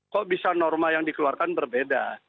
kok bisa norma yang dikeluarkan berbeda